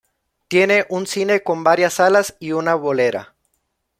Tiene un cine con varias salas y una bolera.